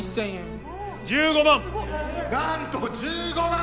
１５万。